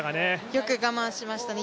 よく我慢しましたね。